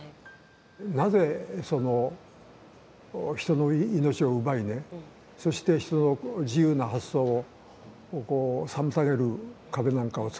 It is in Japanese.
なぜその人の命を奪いねそして人の自由な発想を妨げる壁なんかをつくるか。